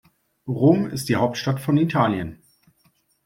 Rom ist die Hauptstadt von Italien.